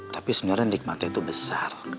tapi sebenarnya nikmatnya itu besar